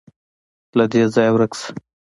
_له دې ځايه ورک شه.